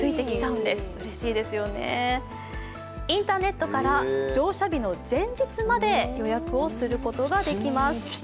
うれしいですよね、インターネットから乗車日の前日まで予約をすることができます。